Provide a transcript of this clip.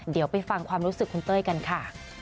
เดี๋ยวไปฟังความรู้สึกคุณเต้ยกันค่ะ